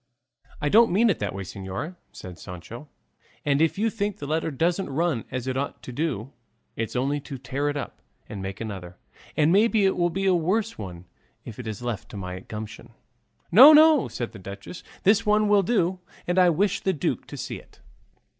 "I don't mean it that way, señora," said Sancho; "and if you think the letter doesn't run as it ought to do, it's only to tear it up and make another; and maybe it will be a worse one if it is left to my gumption." "No, no," said the duchess, "this one will do, and I wish the duke to see it."